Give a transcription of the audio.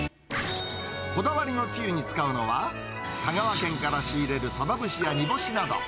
こだわりのつゆに使うのは、香川県から仕入れるサバ節や煮干しなど。